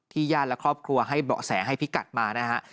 ญาติและครอบครัวให้เบาะแสให้พิกัดมานะฮะ